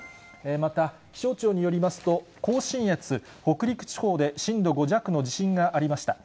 また気象庁によりますと、甲信越、北陸地方で震度５弱の地震がありました。